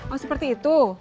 oh seperti itu